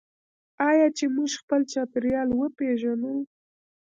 آیا چې موږ خپل چاپیریال وپیژنو؟